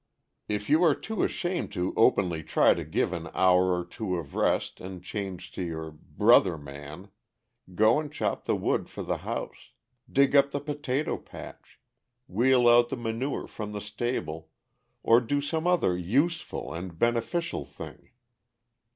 If you are too ashamed to openly try to give an hour or two of rest and change to your "brother" man, go and chop the wood for the house, dig up the potato patch, wheel out the manure from the stable, or do some other useful and beneficial thing.